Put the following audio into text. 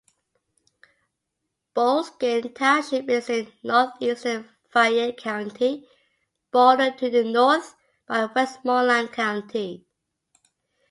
Bullskin Township is in northeastern Fayette County, bordered to the north by Westmoreland County.